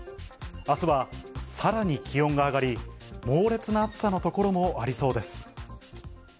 あすはさらに気温が上がり、猛烈な暑さの所もありそうです。